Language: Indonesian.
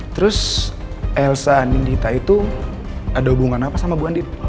terus elsa andin dita itu ada hubungan apa sama bu andin